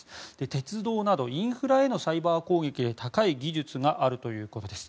鉄道などインフラへのサイバー攻撃へ高い技術があるということです。